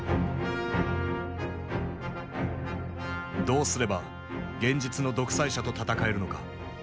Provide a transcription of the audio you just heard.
どうすれば現実の独裁者と闘えるのか。